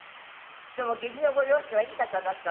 でも義理のご両親はいい方だったんですって？